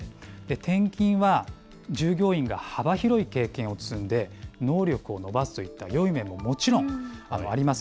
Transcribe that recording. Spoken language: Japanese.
転勤は従業員が幅広い経験を積んで、能力を伸ばすといったよい面ももちろんあります。